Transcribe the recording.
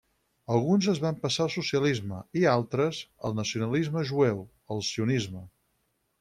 Alguns es van passar al socialisme, i altres al nacionalisme jueu, el sionisme.